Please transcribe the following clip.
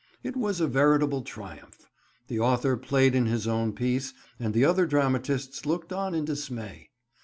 It was a veritable triumph. The author played in his own piece, and the other dramatists looked on in dismay.